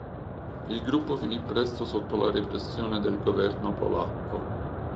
Il gruppo finì presto sotto la repressione del governo polacco.